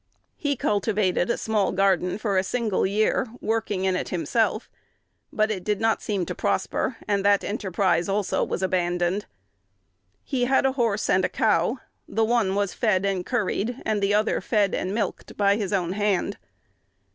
He cultivated a small garden for a single year, working in it himself; but it did not seem to prosper, and that enterprise also was abandoned. He had a horse and a cow: the one was fed and curried, and the other fed and milked, by his own hand.